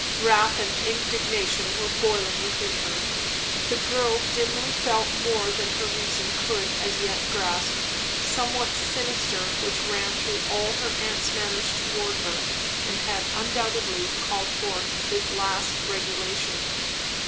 Wrath and indignation were boiling within her. The girl dimly felt more than her reason could as yet grasp; somewhat sinister which ran through all her aunt's manner towards her and had undoubtedly called forth this last regulation.